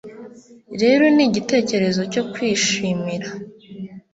rero ni igitekerezo cyo kwishimira